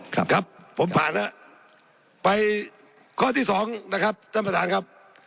ครับครับผมผ่านแล้วไปข้อที่สองนะครับท่านประธานครับ